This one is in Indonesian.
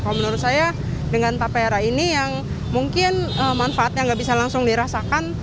kalau menurut saya dengan tapera ini yang mungkin manfaatnya nggak bisa langsung dirasakan